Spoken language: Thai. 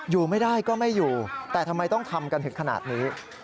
อยู่ไม่ได้ก็ไม่อยู่แต่ทำไมต้องทำกันถึงขนาดนี้